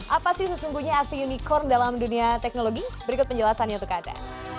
apa sih sesungguhnya aksi unicorn dalam dunia teknologi berikut penjelasannya untuk anda